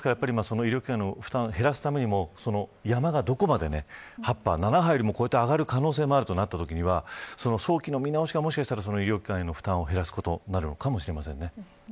ですから、その医療機関への負担を減らすためにもその山がどこまで、８波７波よりも超えて上がる可能性があるとなった場合は早期の見直しが医療機関への負担を減らすことになるかもしれません。